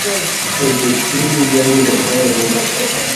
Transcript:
او د تللو زاڼو لپاره هم